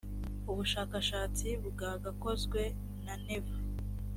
ubushakashatsi bwakozwe na neva .